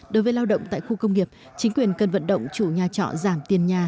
đối với lao động tại khu công nghiệp chính quyền cần vận động chủ nhà trọ giảm tiền nhà